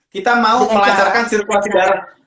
kita mau melancarkan sirkulasi barang